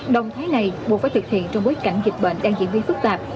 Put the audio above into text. động thái này buộc phải thực hiện trong bối cảnh dịch bệnh đang diễn biến phức tạp